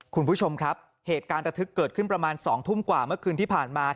คุณผู้ชมครับเหตุการณ์ระทึกเกิดขึ้นประมาณ๒ทุ่มกว่าเมื่อคืนที่ผ่านมา